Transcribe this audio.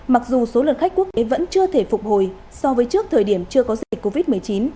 mặc dù số lượng khách quốc tế vẫn chưa thể phục hồi so với trước thời điểm chưa có dịch covid một mươi chín